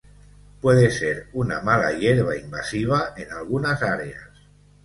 Puede ser una mala hierba invasiva en alguna áreas.